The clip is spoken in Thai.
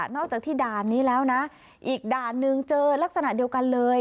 จากที่ด่านนี้แล้วนะอีกด่านหนึ่งเจอลักษณะเดียวกันเลย